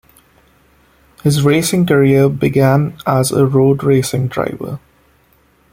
His racing career began as a road racing driver.